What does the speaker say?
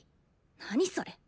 何それ？